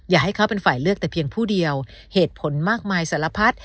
อย่าให้เขาเป็นฝ่ายเลือกแต่เพียงผู้เดียวเหตุผลมากมายสารพัด